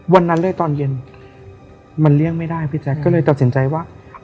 วันนั้นเลยตอนเย็นมันเลี่ยงไม่ได้พี่แจ๊คก็เลยตัดสินใจว่า